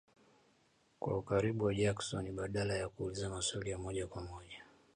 kwa ukaribu na Jackson, badala ya kuuliza maswali ya moja kwa moja